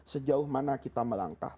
sejauh mana kita melangkah